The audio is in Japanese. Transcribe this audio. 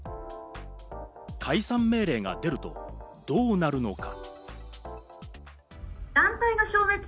解散命令が出るとどうなるのか。